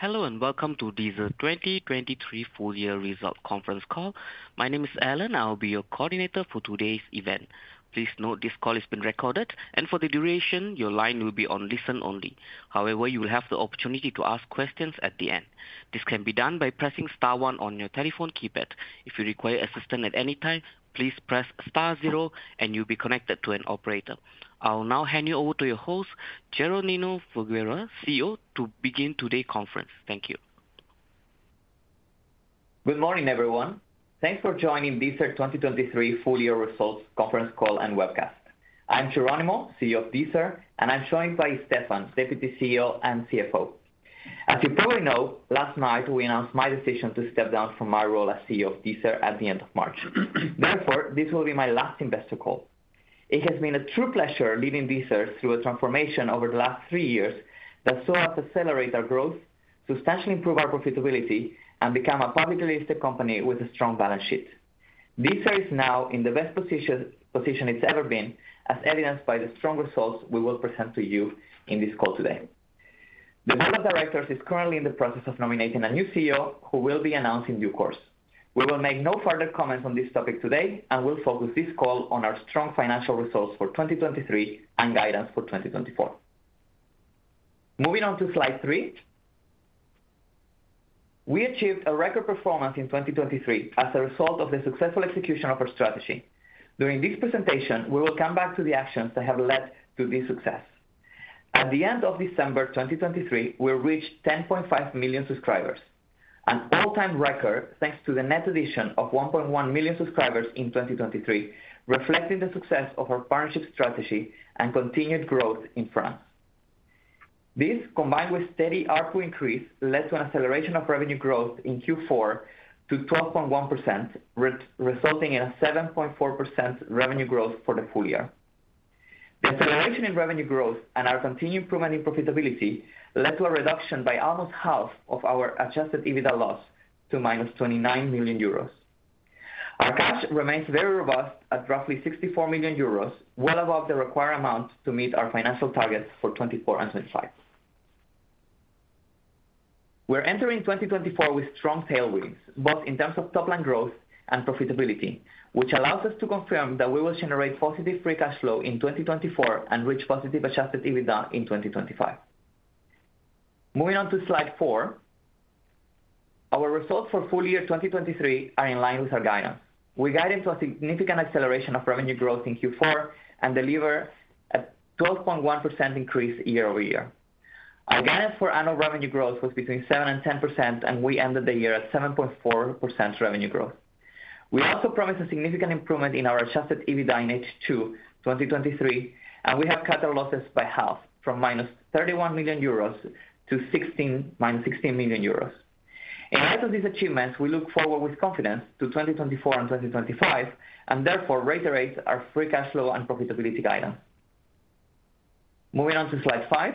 Hello and welcome to Deezer 2023 full-year results conference call. My name is Alan. I'll be your coordinator for today's event. Please note this call is being recorded, and for the duration, your line will be on listen-only. However, you will have the opportunity to ask questions at the end. This can be done by pressing star one on your telephone keypad. If you require assistance at any time, please press star zero and you'll be connected to an operator. I'll now hand you over to your host, Jeronimo Folgueira, CEO, to begin today's conference. Thank you. Good morning, everyone. Thanks for joining Deezer 2023 full year results conference call and webcast. I'm Jeronimo, CEO of Deezer, and I'm joined by Stéphane, Deputy CEO and CFO. As you probably know, last night we announced my decision to step down from my role as CEO of Deezer at the end of March. Therefore, this will be my last investor call. It has been a true pleasure leading Deezer through a transformation over the last three years that saw us accelerate our growth, substantially improve our profitability, and become a publicly listed company with a strong balance sheet. Deezer is now in the best position it's ever been, as evidenced by the strong results we will present to you in this call today. The board of directors is currently in the process of nominating a new CEO who will be announced in due course. We will make no further comments on this topic today, and we'll focus this call on our strong financial results for 2023 and guidance for 2024. Moving on to slide three. We achieved a record performance in 2023 as a result of the successful execution of our strategy. During this presentation, we will come back to the actions that have led to this success. At the end of December 2023, we reached 10.5 million subscribers, an all-time record thanks to the net addition of 1.1 million subscribers in 2023, reflecting the success of our partnership strategy and continued growth in France. This, combined with steady ARPU increase, led to an acceleration of revenue growth in Q4 to 12.1%, resulting in a 7.4% revenue growth for the full year. The acceleration in revenue growth and our continued improvement in profitability led to a reduction by almost half of our adjusted EBITDA loss to -29 million euros. Our cash remains very robust at roughly 64 million euros, well above the required amount to meet our financial targets for 2024 and 2025. We're entering 2024 with strong tailwinds, both in terms of top-line growth and profitability, which allows us to confirm that we will generate positive free cash flow in 2024 and reach positive adjusted EBITDA in 2025. Moving on to slide 4. Our results for full year 2023 are in line with our guidance. We guided to a significant acceleration of revenue growth in Q4 and delivered a 12.1% increase year-over-year. Our guidance for annual revenue growth was between 7%-10%, and we ended the year at 7.4% revenue growth. We also promised a significant improvement in our adjusted EBITDA in H2 2023, and we have cut our losses by half from -31 million euros to -16 million euros. In light of these achievements, we look forward with confidence to 2024 and 2025, and therefore reiterate our free cash flow and profitability guidance. Moving on to slide five.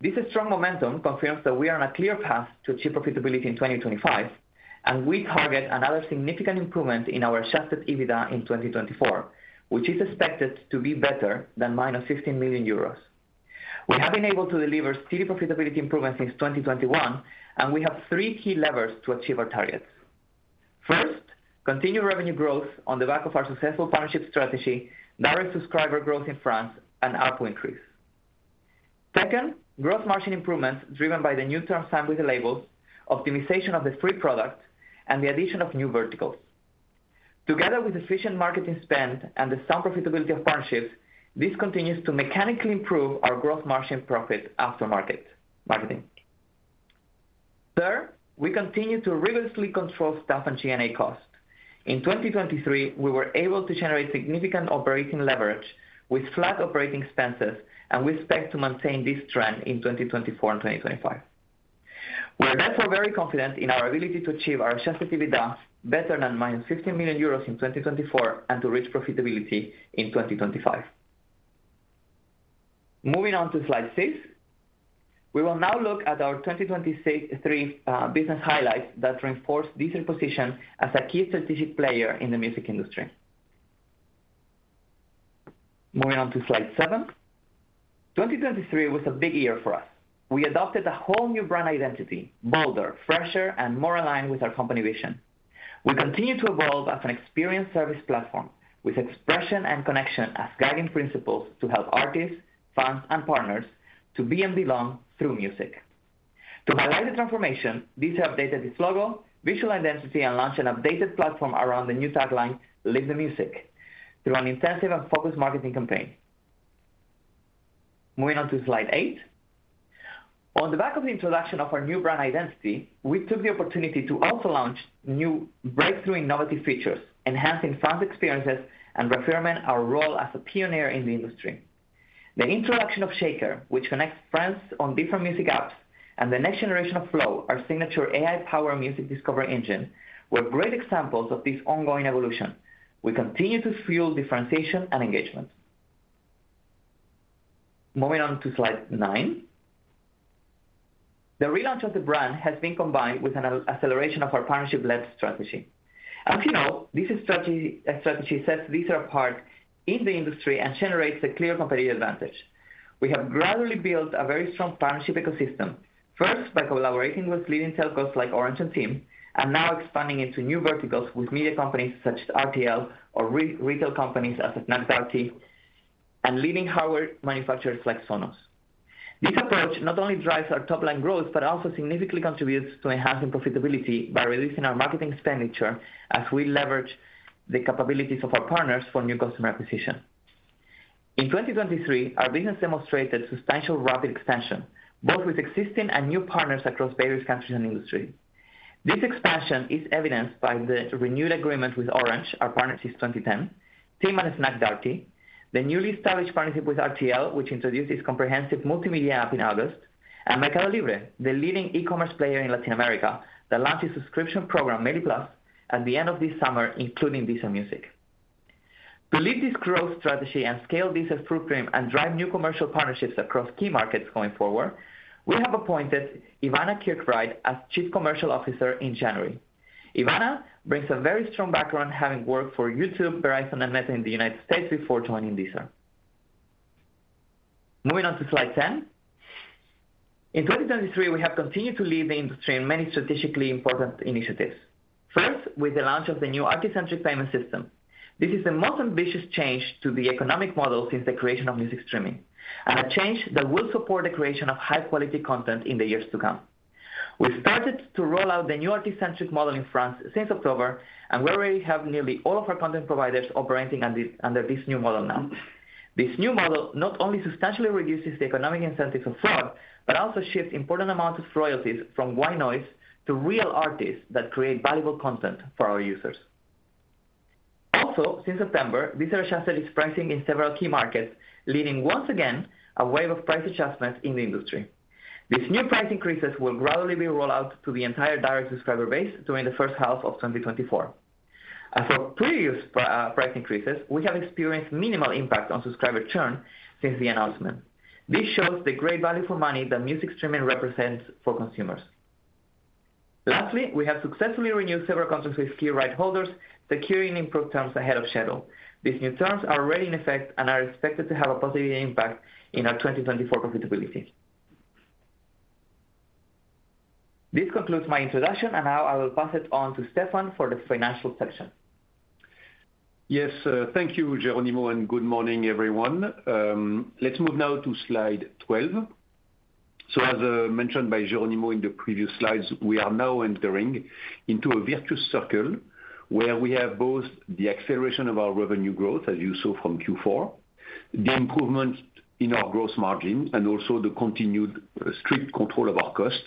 This strong momentum confirms that we are on a clear path to achieve profitability in 2025, and we target another significant improvement in our adjusted EBITDA in 2024, which is expected to be better than -15 million euros. We have been able to deliver steady profitability improvements since 2021, and we have three key levers to achieve our targets. First, continued revenue growth on the back of our successful partnership strategy, direct subscriber growth in France, and ARPU increase. Second, gross margin improvements driven by the new term signed with the labels, optimization of the free product, and the addition of new verticals. Together with efficient marketing spend and the sound profitability of partnerships, this continues to mechanically improve our gross margin profit after marketing. Third, we continue to rigorously control staff and G&A costs. In 2023, we were able to generate significant operating leverage with flat operating expenses, and we expect to maintain this trend in 2024 and 2025. We're therefore very confident in our ability to achieve our Adjusted EBITDA better than -15 million euros in 2024 and to reach profitability in 2025. Moving on to slide six. We will now look at our 2023 business highlights that reinforce Deezer's position as a key strategic player in the music industry. Moving on to slide seven. 2023 was a big year for us. We adopted a whole new brand identity, bolder, fresher, and more aligned with our company vision. We continue to evolve as an experience service platform with expression and connection as guiding principles to help artists, fans, and partners to be and belong through music. To highlight the transformation, Deezer updated its logo, visual identity, and launched an updated platform around the new tagline "Live the Music" through an intensive and focused marketing campaign. Moving on to slide eight. On the back of the introduction of our new brand identity, we took the opportunity to also launch new breakthrough innovative features, enhancing fans' experiences and reframing our role as a pioneer in the industry. The introduction of Shaker, which connects friends on different music apps, and the next generation of Flow, our signature AI-powered music discovery engine, were great examples of this ongoing evolution. We continue to fuel differentiation and engagement. Moving on to slide nine. The relaunch of the brand has been combined with an acceleration of our partnership-led strategy. As you know, this strategy sets Deezer apart in the industry and generates a clear competitive advantage. We have gradually built a very strong partnership ecosystem, first by collaborating with leading telcos like Orange and TIM, and now expanding into new verticals with media companies such as RTL or retail companies as Fnac Darty and leading hardware manufacturers like Sonos. This approach not only drives our top-line growth but also significantly contributes to enhancing profitability by reducing our marketing expenditure as we leverage the capabilities of our partners for new customer acquisition. In 2023, our business demonstrated substantial rapid expansion, both with existing and new partners across various countries and industries. This expansion is evidenced by the renewed agreement with Orange, our partner since 2010, TIM and Fnac Darty, the newly established partnership with RTL, which introduced its comprehensive multimedia app in August, and MercadoLibre, the leading e-commerce player in Latin America that launched its subscription program, Meli+, at the end of this summer, including Deezer Music. To lead this growth strategy and scale Deezer's B2C arm and drive new commercial partnerships across key markets going forward, we have appointed Ivana Kirkbride as Chief Commercial Officer in January. Ivana brings a very strong background having worked for YouTube, Verizon, and Meta in the United States before joining Deezer. Moving on to slide 10. In 2023, we have continued to lead the industry in many strategically important initiatives. First, with the launch of the new artist-centric payment system. This is the most ambitious change to the economic model since the creation of music streaming and a change that will support the creation of high-quality content in the years to come. We started to roll out the new artist-centric model in France since October, and we already have nearly all of our content providers operating under this new model now. This new model not only substantially reduces the economic incentives of fraud but also shifts important amounts of royalties from white noise to real artists that create valuable content for our users. Also, since September, Deezer adjusted its pricing in several key markets, leading once again a wave of price adjustments in the industry. This new price increases will gradually be rolled out to the entire direct subscriber base during the first half of 2024. As for previous price increases, we have experienced minimal impact on subscriber churn since the announcement. This shows the great value for money that music streaming represents for consumers. Lastly, we have successfully renewed several contracts with key rights holders, securing improved terms ahead of schedule. These new terms are already in effect and are expected to have a positive impact in our 2024 profitability. This concludes my introduction, and now I will pass it on to Stéphane for the financial section. Yes. Thank you, Jeronimo, and good morning, everyone. Let's move now to slide 12. So, as mentioned by Jeronimo in the previous slides, we are now entering into a virtuous circle where we have both the acceleration of our revenue growth, as you saw from Q4, the improvement in our gross margin, and also the continued strict control of our costs,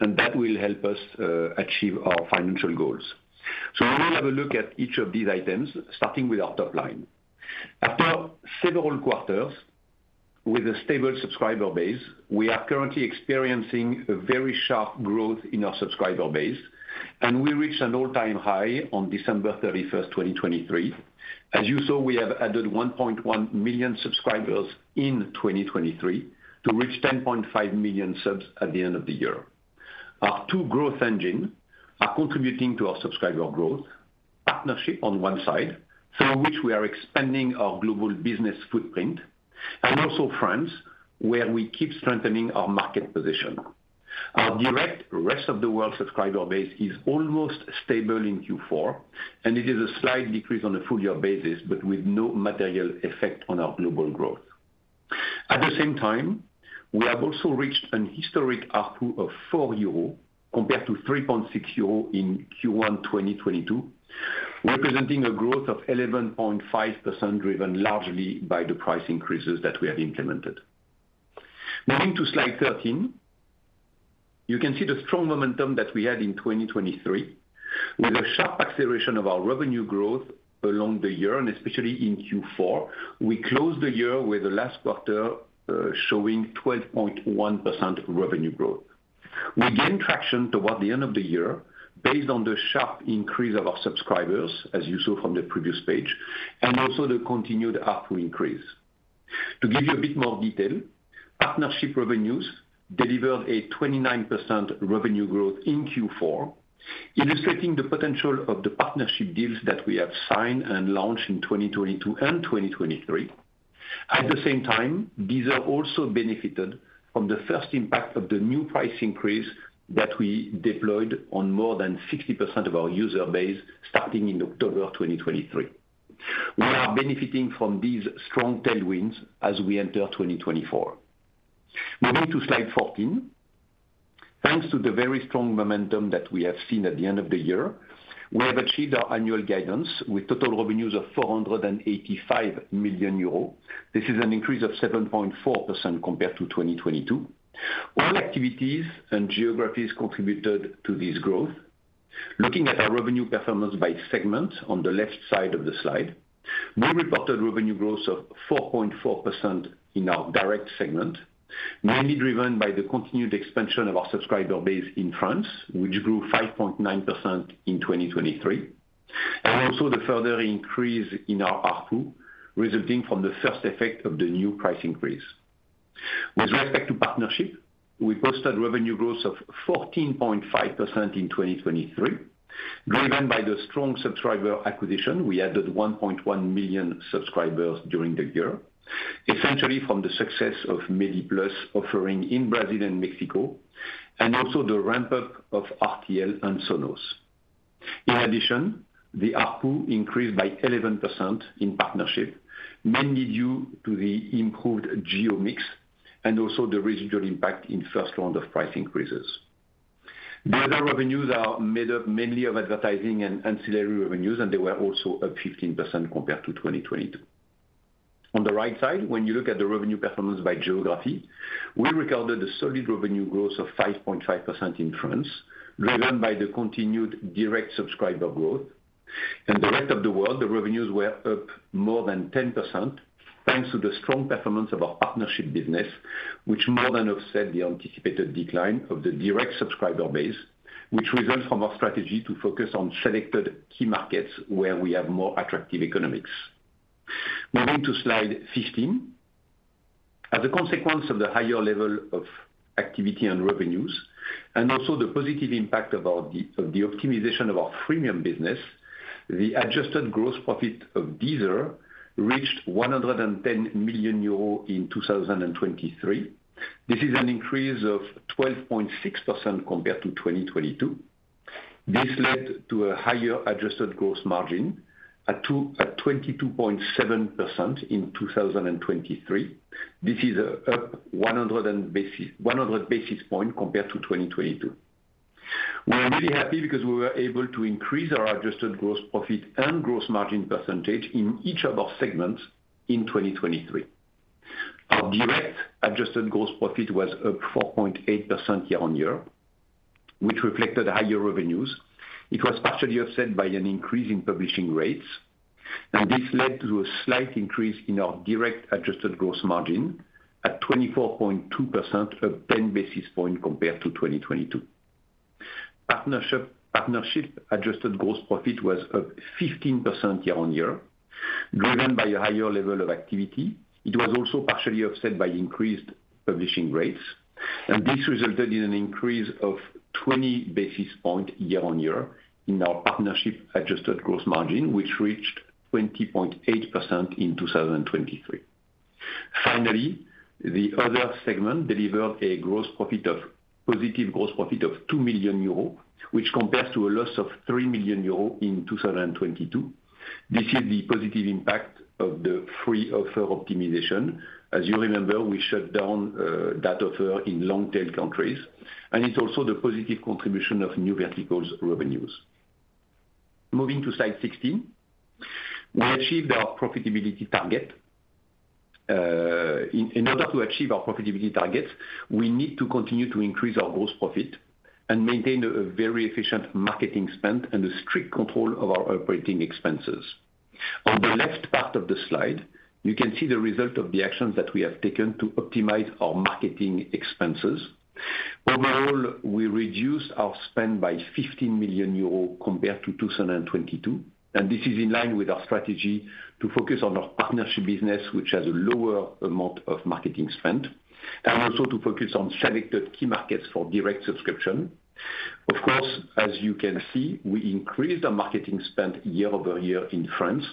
and that will help us achieve our financial goals. So we will have a look at each of these items, starting with our top line. After several quarters with a stable subscriber base, we are currently experiencing a very sharp growth in our subscriber base, and we reached an all-time high on December 31st, 2023. As you saw, we have added 1.1 million subscribers in 2023 to reach 10.5 million subs at the end of the year. Our two growth engines are contributing to our subscriber growth: partnership on one side, through which we are expanding our global business footprint, and also France, where we keep strengthening our market position. Our direct rest-of-the-world subscriber base is almost stable in Q4, and it is a slight decrease on a full-year basis but with no material effect on our global growth. At the same time, we have also reached a historic ARPU of 4 euro compared to 3.6 euro in Q1 2022, representing a growth of 11.5% driven largely by the price increases that we have implemented. Moving to slide 13. You can see the strong momentum that we had in 2023 with a sharp acceleration of our revenue growth along the year, and especially in Q4. We closed the year with the last quarter showing 12.1% revenue growth. We gained traction toward the end of the year based on the sharp increase of our subscribers, as you saw from the previous page, and also the continued ARPU increase. To give you a bit more detail, partnership revenues delivered a 29% revenue growth in Q4, illustrating the potential of the partnership deals that we have signed and launched in 2022 and 2023. At the same time, Deezer also benefited from the first impact of the new price increase that we deployed on more than 60% of our user base starting in October 2023. We are benefiting from these strong tailwinds as we enter 2024. Moving to slide 14. Thanks to the very strong momentum that we have seen at the end of the year, we have achieved our annual guidance with total revenues of 485 million euros. This is an increase of 7.4% compared to 2022. All activities and geographies contributed to this growth. Looking at our revenue performance by segment on the left side of the slide, we reported revenue growth of 4.4% in our direct segment, mainly driven by the continued expansion of our subscriber base in France, which grew 5.9% in 2023, and also the further increase in our ARPU resulting from the first effect of the new price increase. With respect to partnership, we posted revenue growth of 14.5% in 2023. Driven by the strong subscriber acquisition, we added 1.1 million subscribers during the year, essentially from the success of Meli+ offering in Brazil and Mexico, and also the ramp-up of RTL and Sonos. In addition, the ARPU increased by 11% in partnership, mainly due to the improved geo-mix and also the residual impact in first round of price increases. The other revenues are made up mainly of advertising and ancillary revenues, and they were also up 15% compared to 2022. On the right side, when you look at the revenue performance by geography, we recorded a solid revenue growth of 5.5% in France, driven by the continued direct subscriber growth. In the rest of the world, the revenues were up more than 10% thanks to the strong performance of our partnership business, which more than offset the anticipated decline of the direct subscriber base, which resulted from our strategy to focus on selected key markets where we have more attractive economics. Moving to slide 15. As a consequence of the higher level of activity and revenues and also the positive impact of the optimization of our freemium business, the adjusted gross profit of Deezer reached 110 million euro in 2023. This is an increase of 12.6% compared to 2022. This led to a higher adjusted gross margin at 22.7% in 2023. This is up 100 basis points compared to 2022. We were really happy because we were able to increase our adjusted gross profit and gross margin percentage in each of our segments in 2023. Our direct adjusted gross profit was up 4.8% year-on-year, which reflected higher revenues. It was partially offset by an increase in publishing rates, and this led to a slight increase in our direct adjusted gross margin at 24.2%, up 10 basis points compared to 2022. Partnership adjusted gross profit was up 15% year-on-year, driven by a higher level of activity. It was also partially offset by increased publishing rates, and this resulted in an increase of 20 basis points year-on-year in our partnership adjusted gross margin, which reached 20.8% in 2023. Finally, the other segment delivered a positive gross profit of 2 million euros, which compares to a loss of 3 million euros in 2022. This is the positive impact of the free offer optimization. As you remember, we shut down that offer in long-tail countries, and it's also the positive contribution of new verticals revenues. Moving to slide 16. We achieved our profitability target. In order to achieve our profitability targets, we need to continue to increase our gross profit and maintain a very efficient marketing spend and a strict control of our operating expenses. On the left part of the slide, you can see the result of the actions that we have taken to optimize our marketing expenses. Overall, we reduced our spend by 15 million euros compared to 2022, and this is in line with our strategy to focus on our partnership business, which has a lower amount of marketing spend, and also to focus on selected key markets for direct subscription. Of course, as you can see, we increased our marketing spend year-over-year in France,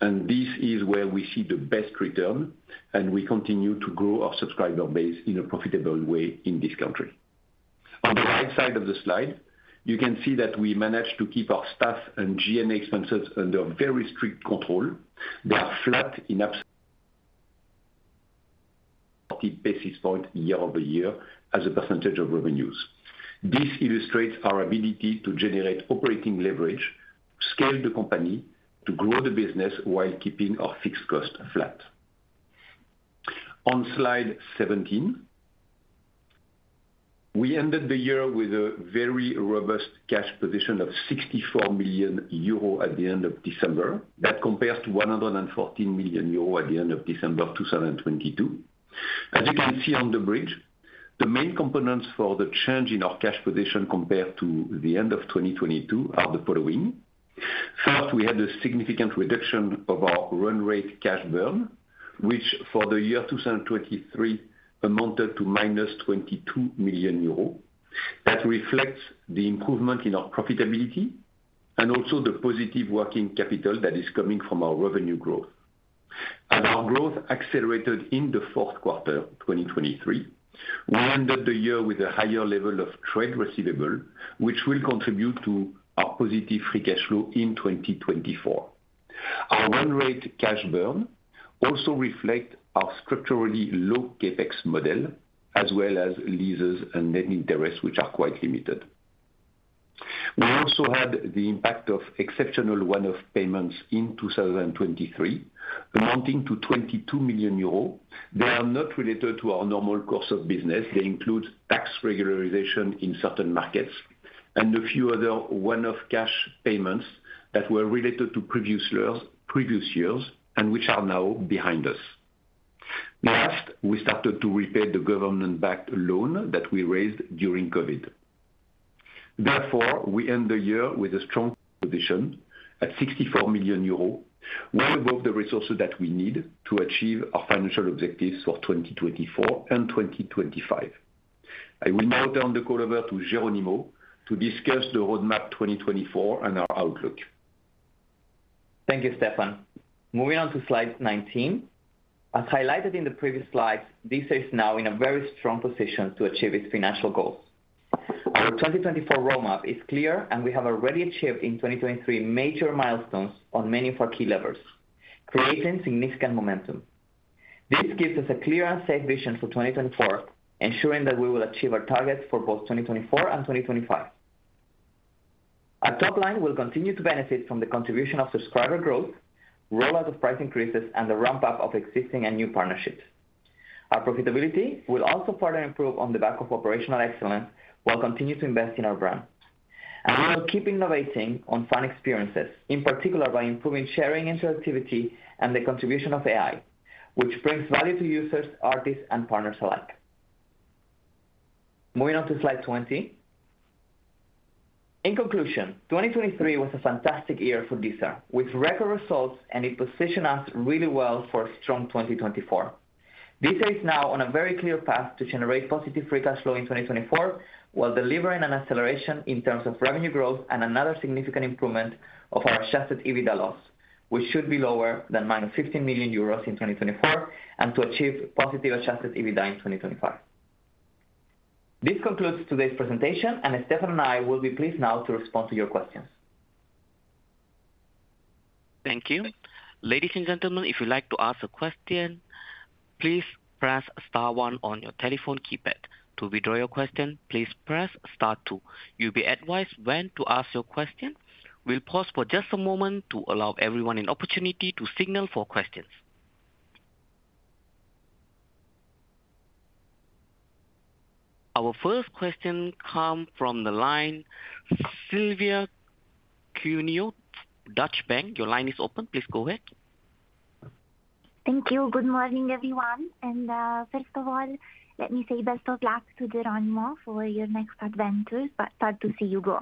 and this is where we see the best return, and we continue to grow our subscriber base in a profitable way in this country. On the right side of the slide, you can see that we managed to keep our staff and G&A expenses under very strict control. They are flat in basis points year-over-year as a percentage of revenues. This illustrates our ability to generate operating leverage, scale the company, to grow the business while keeping our fixed cost flat. On slide 17. We ended the year with a very robust cash position of 64 million euro at the end of December. That compares to 114 million euro at the end of December 2022. As you can see on the bridge, the main components for the change in our cash position compared to the end of 2022 are the following. First, we had a significant reduction of our run rate cash burn, which for the year 2023 amounted to -22 million euros. That reflects the improvement in our profitability and also the positive working capital that is coming from our revenue growth. As our growth accelerated in the fourth quarter of 2023, we ended the year with a higher level of trade receivable, which will contribute to our positive free cash flow in 2024. Our run rate cash burn also reflects our structurally low CapEx model as well as leases and net interest, which are quite limited. We also had the impact of exceptional one-off payments in 2023 amounting to 22 million euros. They are not related to our normal course of business. They include tax regularization in certain markets and a few other one-off cash payments that were related to previous years and which are now behind us. Last, we started to repay the government-backed loan that we raised during COVID. Therefore, we end the year with a strong position at 64 million euros, well above the resources that we need to achieve our financial objectives for 2024 and 2025. I will now turn the call over to Jeronimo to discuss the roadmap 2024 and our outlook. Thank you, Stéphane. Moving on to slide 19. As highlighted in the previous slides, Deezer is now in a very strong position to achieve its financial goals. Our 2024 roadmap is clear, and we have already achieved in 2023 major milestones on many of our key levers, creating significant momentum. This gives us a clear and safe vision for 2024, ensuring that we will achieve our targets for both 2024 and 2025. Our top line will continue to benefit from the contribution of subscriber growth, rollout of price increases, and the ramp-up of existing and new partnerships. Our profitability will also further improve on the back of operational excellence while continuing to invest in our brand. We will keep innovating on fun experiences, in particular by improving sharing interactivity and the contribution of AI, which brings value to users, artists, and partners alike. Moving on to slide 20. In conclusion, 2023 was a fantastic year for Deezer with record results, and it positioned us really well for a strong 2024. Deezer is now on a very clear path to generate positive free cash flow in 2024 while delivering an acceleration in terms of revenue growth and another significant improvement of our Adjusted EBITDA loss, which should be lower than -15 million euros in 2024, and to achieve positive Adjusted EBITDA in 2025. This concludes today's presentation, and Stéphane and I will be pleased now to respond to your questions. Thank you. Ladies and gentlemen, if you'd like to ask a question, please press star one on your telephone keypad. To withdraw your question, please press star two. You'll be advised when to ask your question. We'll pause for just a moment to allow everyone an opportunity to signal for questions. Our first question comes from the line, Silvia Cuneo, Deutsche Bank. Your line is open. Please go ahead. Thank you. Good morning, everyone. First of all, let me say best of luck to Jeronimo for your next adventures, but sad to see you go.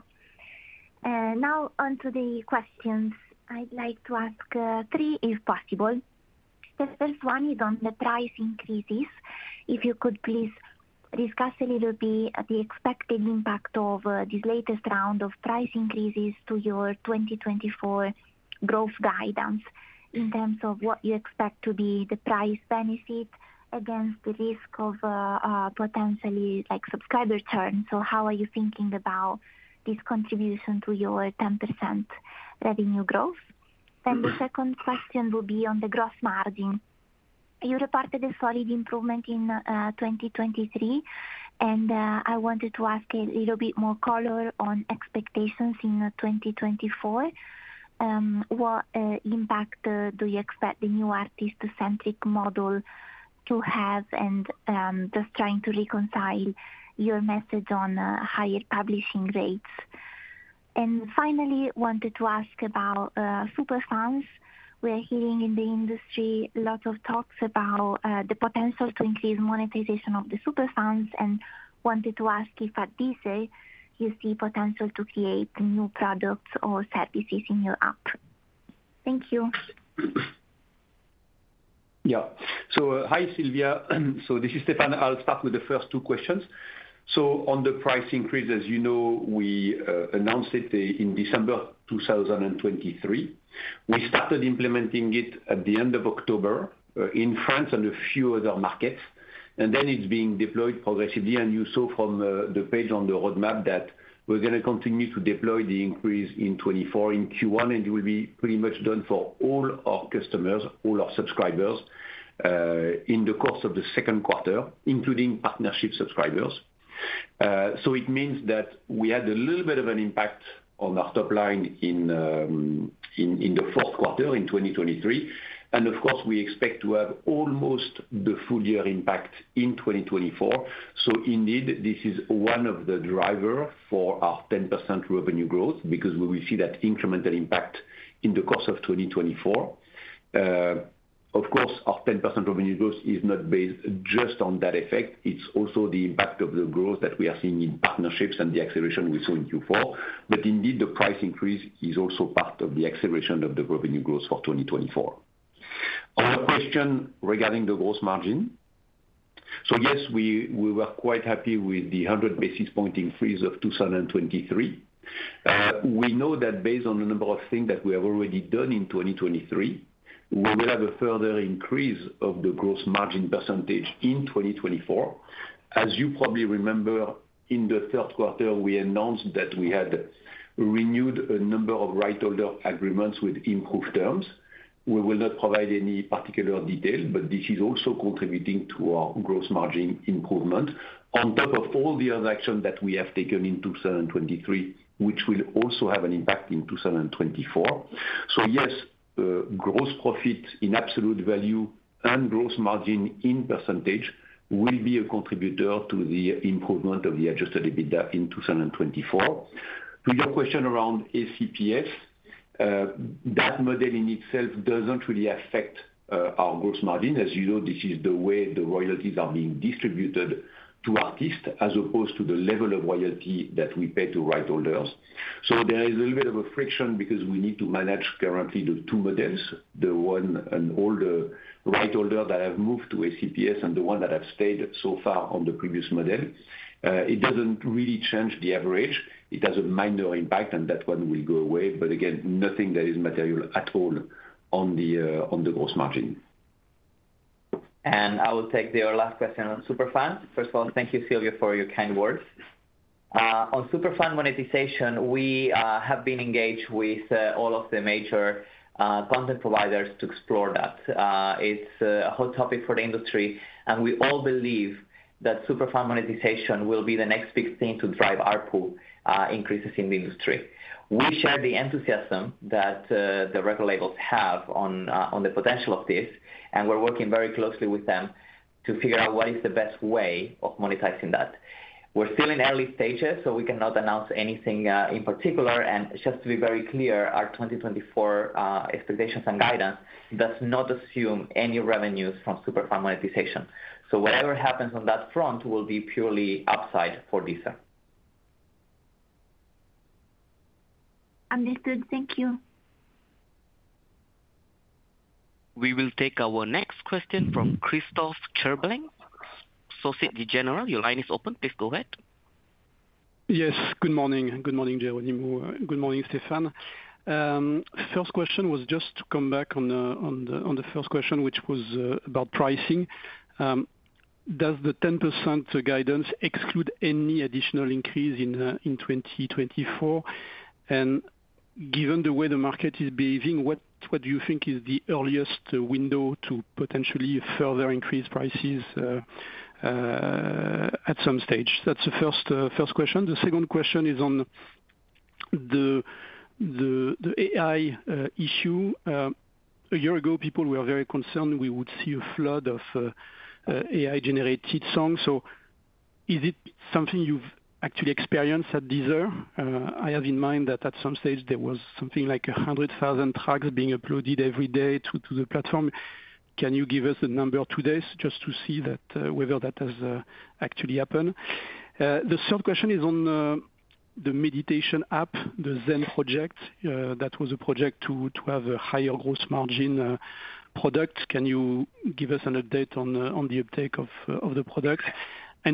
Now, onto the questions. I'd like to ask three if possible. The first one is on the price increases. If you could please discuss a little bit the expected impact of this latest round of price increases to your 2024 growth guidance in terms of what you expect to be the price benefit against the risk of potentially subscriber churn. So how are you thinking about this contribution to your 10% revenue growth? Then the second question will be on the gross margin. You reported a solid improvement in 2023, and I wanted to ask a little bit more color on expectations in 2024. What impact do you expect the new artist-centric model to have, and just trying to reconcile your message on higher publishing rates? And finally, wanted to ask about superfans. We're hearing in the industry lots of talks about the potential to increase monetization of the superfans and wanted to ask if at Deezer you see potential to create new products or services in your app. Thank you. Yeah. So hi, Silvia. So this is Stéphane. I'll start with the first two questions. So on the price increase, as you know, we announced it in December 2023. We started implementing it at the end of October in France and a few other markets, and then it's being deployed progressively. And you saw from the page on the roadmap that we're going to continue to deploy the increase in 2024 in Q1, and it will be pretty much done for all our customers, all our subscribers in the course of the second quarter, including partnership subscribers. So it means that we had a little bit of an impact on our top line in the fourth quarter in 2023. And of course, we expect to have almost the full-year impact in 2024. So indeed, this is one of the drivers for our 10% revenue growth because we will see that incremental impact in the course of 2024. Of course, our 10% revenue growth is not based just on that effect. It's also the impact of the growth that we are seeing in partnerships and the acceleration we saw in Q4. But indeed, the price increase is also part of the acceleration of the revenue growth for 2024. On a question regarding the gross margin. So yes, we were quite happy with the 100 basis point increase of 2023. We know that based on the number of things that we have already done in 2023, we will have a further increase of the gross margin percentage in 2024. As you probably remember, in the third quarter, we announced that we had renewed a number of rights holder agreements with improved terms. We will not provide any particular detail, but this is also contributing to our gross margin improvement on top of all the other actions that we have taken in 2023, which will also have an impact in 2024. So yes, gross profit in absolute value and gross margin in percentage will be a contributor to the improvement of the Adjusted EBITDA in 2024. To your question around ACPS, that model in itself doesn't really affect our gross margin. As you know, this is the way the royalties are being distributed to artists as opposed to the level of royalty that we pay to rights holder. So there is a little bit of a friction because we need to manage currently the two models, the one and older rights holder that have moved to ACPS and the one that have stayed so far on the previous model. It doesn't really change the average. It has a minor impact, and that one will go away. But again, nothing that is material at all on the gross margin. I will take your last question on superfans. First of all, thank you, Silvia, for your kind words. On superfans monetization, we have been engaged with all of the major content providers to explore that. It's a hot topic for the industry, and we all believe that superfans monetization will be the next big thing to drive ARPU increases in the industry. We share the enthusiasm that the record labels have on the potential of this, and we're working very closely with them to figure out what is the best way of monetizing that. We're still in early stages, so we cannot announce anything in particular. Just to be very clear, our 2024 expectations and guidance does not assume any revenues from superfans monetization. So whatever happens on that front will be purely upside for Deezer. Understood. Thank you. We will take our next question from Christophe Cherblanc, Société Générale. Your line is open. Please go ahead. Yes. Good morning. Good morning, Jeronimo. Good morning, Stéphane. First question was just to come back on the first question, which was about pricing. Does the 10% guidance exclude any additional increase in 2024? And given the way the market is behaving, what do you think is the earliest window to potentially further increase prices at some stage? That's the first question. The second question is on the AI issue. A year ago, people were very concerned we would see a flood of AI-generated songs. So is it something you've actually experienced at Deezer? I have in mind that at some stage, there was something like 100,000 tracks being uploaded every day to the platform. Can you give us the number today just to see whether that has actually happened? The third question is on the Meditation app, the Zen project. That was a project to have a higher gross margin product. Can you give us an update on the uptake of the product?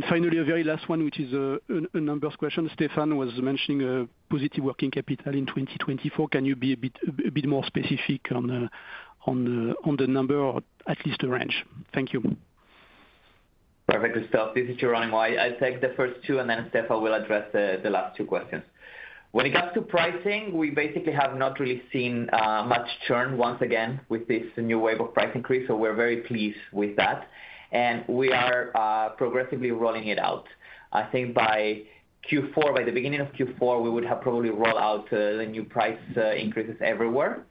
Finally, a very last one, which is a numbers question. Stéphane was mentioning positive working capital in 2024. Can you be a bit more specific on the number or at least a range? Thank you. Perfect, Christophe. This is Jeronimo. I'll take the first two, and then Stéphane will address the last two questions. When it comes to pricing, we basically have not really seen much churn once again with this new wave of price increase. So we're very pleased with that. We are progressively rolling it out. I think by Q4, by the beginning of Q4, we would have probably rolled out the new price increases everywhere.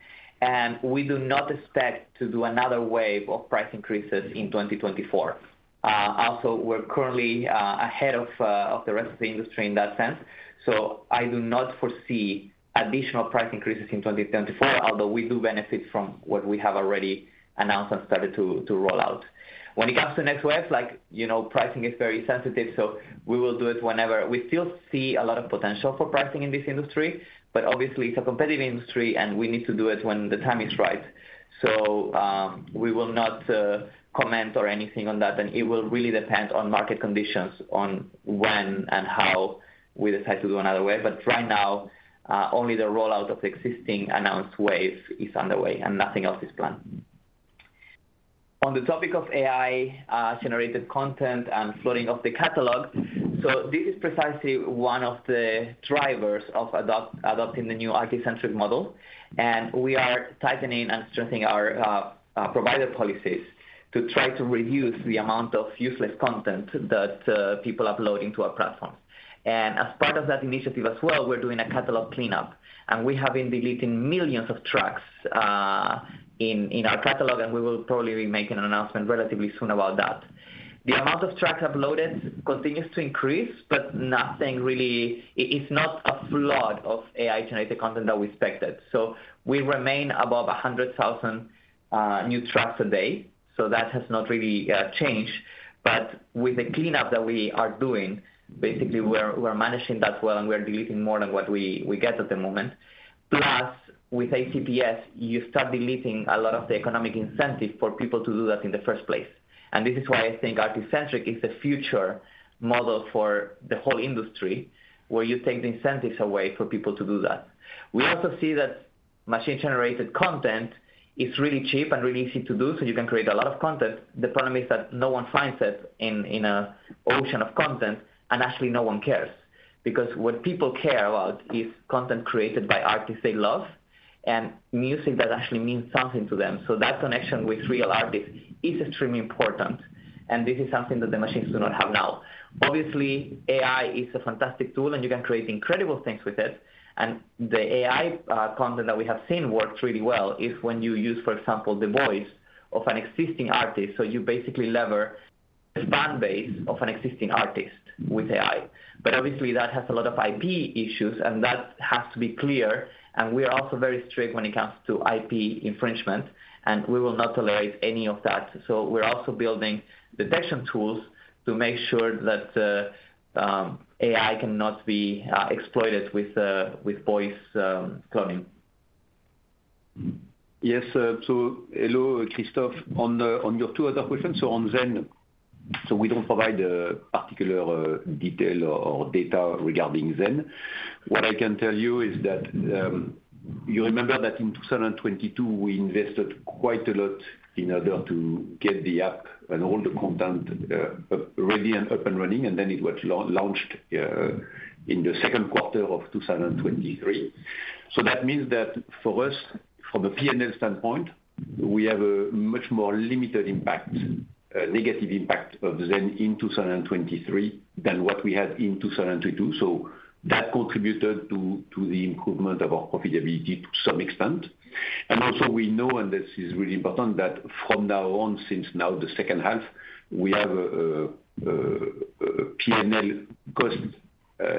We do not expect to do another wave of price increases in 2024. Also, we're currently ahead of the rest of the industry in that sense. So I do not foresee additional price increases in 2024, although we do benefit from what we have already announced and started to roll out. When it comes to next wave, pricing is very sensitive, so we will do it whenever. We still see a lot of potential for pricing in this industry, but obviously, it's a competitive industry, and we need to do it when the time is right. We will not comment or anything on that. It will really depend on market conditions on when and how we decide to do another wave. Right now, only the rollout of the existing announced wave is underway, and nothing else is planned. On the topic of AI-generated content and flooding of the catalog. This is precisely one of the drivers of adopting the new artist-centric model. We are tightening and strengthening our provider policies to try to reduce the amount of useless content that people upload into our platforms. As part of that initiative as well, we're doing a catalog cleanup. We have been deleting millions of tracks in our catalog, and we will probably be making an announcement relatively soon about that. The amount of tracks uploaded continues to increase, but nothing really, it's not a flood of AI-generated content that we expected. So we remain above 100,000 new tracks a day. So that has not really changed. But with the cleanup that we are doing, basically, we're managing that well, and we're deleting more than what we get at the moment. Plus, with ACPS, you start deleting a lot of the economic incentive for people to do that in the first place. And this is why I think artist-centric is the future model for the whole industry, where you take the incentives away for people to do that. We also see that machine-generated content is really cheap and really easy to do, so you can create a lot of content. The problem is that no one finds it in an ocean of content, and actually, no one cares because what people care about is content created by artists they love and music that actually means something to them. So that connection with real artists is extremely important. And this is something that the machines do not have now. Obviously, AI is a fantastic tool, and you can create incredible things with it. And the AI content that we have seen works really well is when you use, for example, the voice of an existing artist. So you basically leverage the fan base of an existing artist with AI. But obviously, that has a lot of IP issues, and that has to be clear. We are also very strict when it comes to IP infringement, and we will not tolerate any of that. We're also building detection tools to make sure that AI cannot be exploited with voice cloning. Yes. So hello, Christophe, on your two other questions. So on Zen, so we don't provide particular detail or data regarding Zen. What I can tell you is that you remember that in 2022, we invested quite a lot in order to get the app and all the content ready and up and running, and then it was launched in the second quarter of 2023. So that means that for us, from a P&L standpoint, we have a much more limited impact, negative impact of Zen in 2023 than what we had in 2022. So that contributed to the improvement of our profitability to some extent. And also, we know, and this is really important, that from now on, since now the second half, we have a P&L cost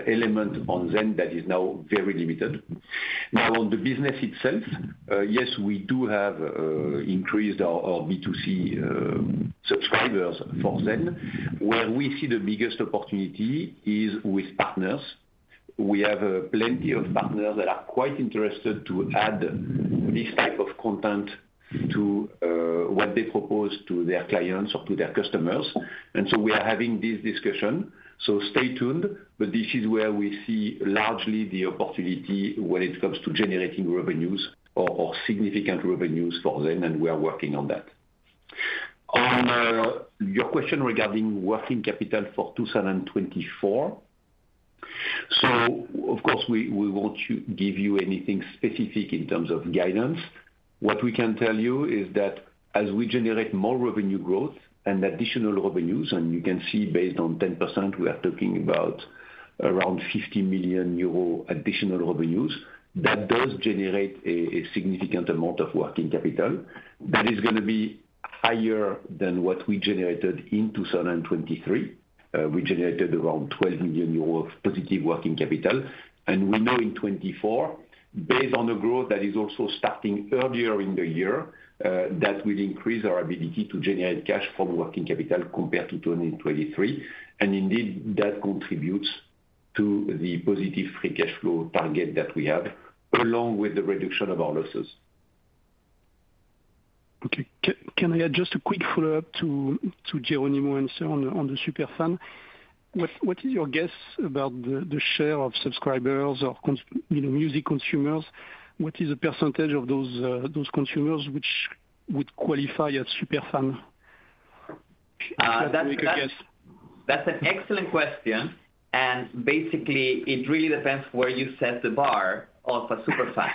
element on Zen that is now very limited. Now, on the business itself, yes, we do have increased our B2C subscribers for Zen. Where we see the biggest opportunity is with partners. We have plenty of partners that are quite interested to add this type of content to what they propose to their clients or to their customers. And so we are having this discussion. So stay tuned. But this is where we see largely the opportunity when it comes to generating revenues or significant revenues for Zen, and we are working on that. On your question regarding working capital for 2024. So of course, we won't give you anything specific in terms of guidance. What we can tell you is that as we generate more revenue growth and additional revenues and you can see based on 10%, we are talking about around 50 million euro additional revenues. That does generate a significant amount of working capital that is going to be higher than what we generated in 2023. We generated around 12 million euros of positive working capital. We know in 2024, based on the growth that is also starting earlier in the year, that will increase our ability to generate cash from working capital compared to 2023. Indeed, that contributes to the positive free cash flow target that we have, along with the reduction of our losses. Okay. Can I add just a quick follow-up to Jeronimo and Sir on the superfan? What is your guess about the share of subscribers or music consumers? What is the percentage of those consumers which would qualify as superfan? That's an excellent question. And basically, it really depends where you set the bar of a super fan.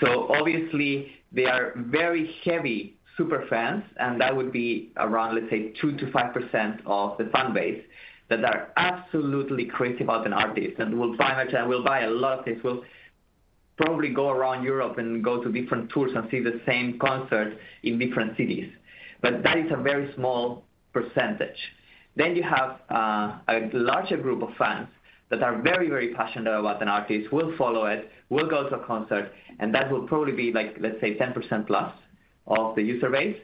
So obviously, there are very heavy superfans, and that would be around, let's say, 2%-5% of the fan base that are absolutely crazy about an artist and will buy much and will buy a lot of things. Will probably go around Europe and go to different tours and see the same concert in different cities. But that is a very small percentage. Then you have a larger group of fans that are very, very passionate about an artist, will follow it, will go to a concert, and that will probably be, let's say, 10%+ of the user base.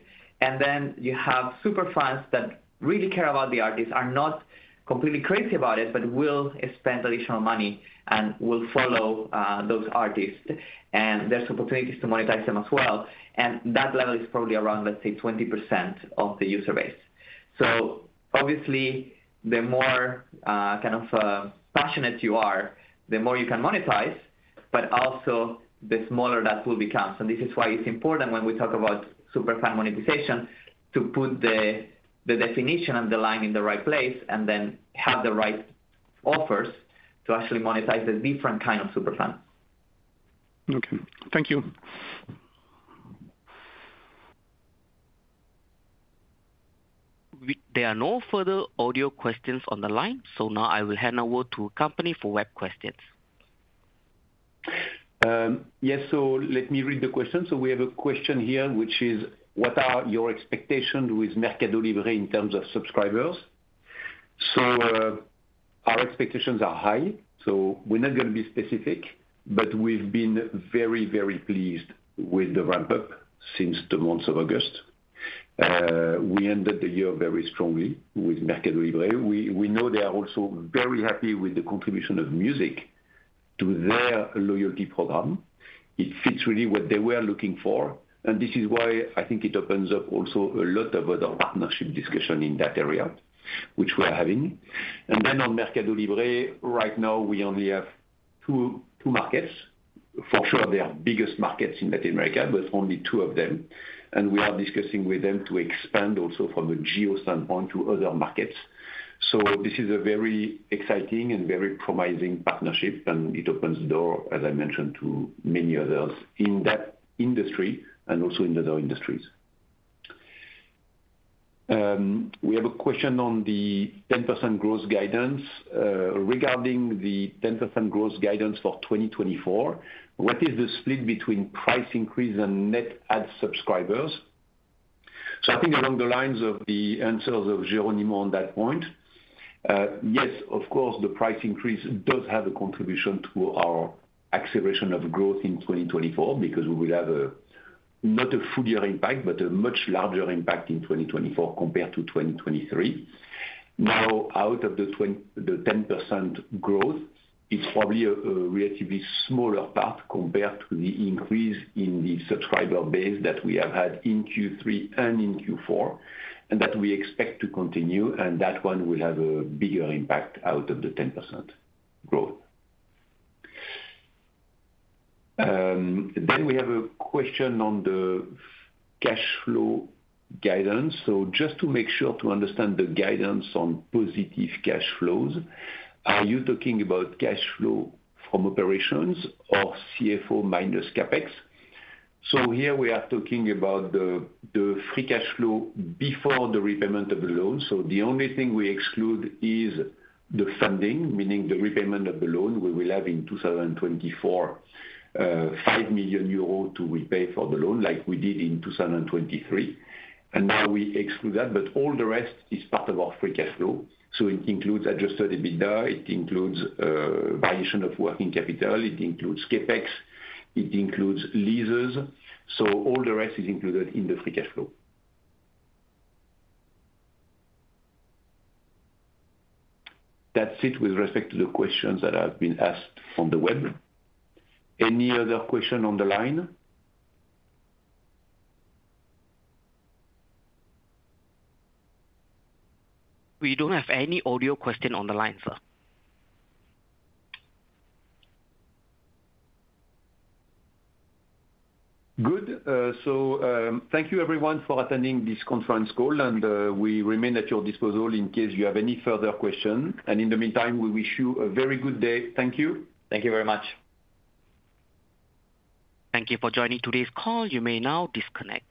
And then you have superfans that really care about the artist, are not completely crazy about it, but will spend additional money and will follow those artists. There's opportunities to monetize them as well. That level is probably around, let's say, 20% of the user base. So obviously, the more kind of passionate you are, the more you can monetize, but also the smaller that will become. So this is why it's important when we talk about super fan monetization to put the definition and the line in the right place and then have the right offers to actually monetize the different kind of superfans. Okay. Thank you. There are no further audio questions on the line. Now I will hand over to a company for web questions. Yes. So let me read the question. So we have a question here, which is, what are your expectations with MercadoLibre in terms of subscribers? So our expectations are high. So we're not going to be specific, but we've been very, very pleased with the ramp-up since the months of August. We ended the year very strongly with MercadoLibre. We know they are also very happy with the contribution of music to their loyalty program. It fits really what they were looking for. And this is why I think it opens up also a lot of other partnership discussion in that area, which we are having. And then on MercadoLibre, right now, we only have two markets. For sure, they are biggest markets in Latin America, but only two of them. And we are discussing with them to expand also from a geo standpoint to other markets. So this is a very exciting and very promising partnership. And it opens the door, as I mentioned, to many others in that industry and also in other industries. We have a question on the 10% growth guidance. Regarding the 10% growth guidance for 2024, what is the split between price increase and net ad subscribers? So I think along the lines of the answers of Jeronimo on that point. Yes, of course, the price increase does have a contribution to our acceleration of growth in 2024 because we will have not a fuller impact, but a much larger impact in 2024 compared to 2023. Now, out of the 10% growth, it's probably a relatively smaller part compared to the increase in the subscriber base that we have had in Q3 and in Q4 and that we expect to continue. That one will have a bigger impact out of the 10% growth. We have a question on the cash flow guidance. Just to make sure to understand the guidance on positive cash flows, are you talking about cash flow from operations or CFO minus CapEx? Here we are talking about the Free Cash Flow before the repayment of the loan. The only thing we exclude is the funding, meaning the repayment of the loan. We will have in 2024 5 million euros to repay for the loan like we did in 2023. Now we exclude that. But all the rest is part of our Free Cash Flow. It includes Adjusted EBITDA. It includes variation of working capital. It includes CapEx. It includes leases. All the rest is included in the Free Cash Flow. That's it with respect to the questions that have been asked on the web. Any other question on the line? We don't have any audio question on the line, Sir. Good. So thank you, everyone, for attending this conference call. We remain at your disposal in case you have any further questions. In the meantime, we wish you a very good day. Thank you. Thank you very much. Thank you for joining today's call. You may now disconnect.